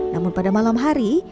namun pada malam hari